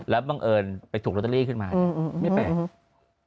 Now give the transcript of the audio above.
แล้วบังเอิญไปถูกลอตเตอรี่ขึ้นมาไม่แปลก